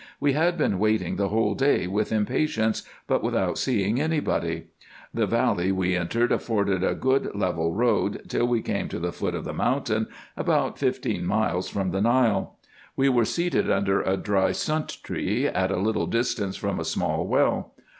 We had been waiting the whole day with impatience, but without seeing any body. The valley we entered afforded a good level road, till we came to the foot of the mountain, about fifteen miles from the Nile. We were seated under a dry sunt tree, at a little distance from a small well.